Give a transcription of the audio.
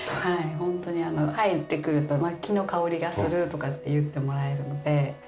ホントに入ってくると木の香りがするとかって言ってもらえるので。